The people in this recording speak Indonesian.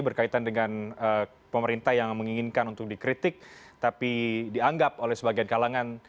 berkaitan dengan pemerintah yang menginginkan untuk dikritik tapi dianggap oleh sebagian kalangan